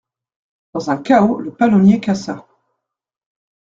Dans un cahot le palonnier cassa.